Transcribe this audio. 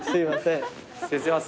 失礼します。